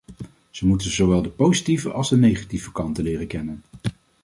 Ze moeten zowel de positieve als de negatieve kanten leren kennen.